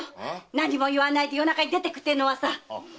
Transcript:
何も言わないで夜中に出てくっていうのはさ！